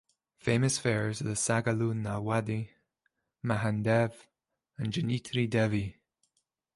Famous fairs are the Saigaloo nar wadi, Mahan Dev, and Janitri Devi.